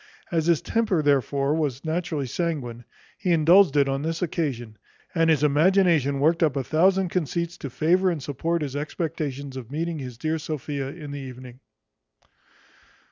As his temper therefore was naturally sanguine, he indulged it on this occasion, and his imagination worked up a thousand conceits, to favour and support his expectations of meeting his dear Sophia in the evening.